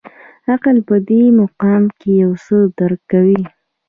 عقل په دې مقام کې یو څه درک کوي.